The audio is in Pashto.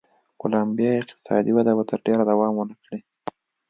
کولمبیا اقتصادي وده به تر ډېره دوام و نه کړي.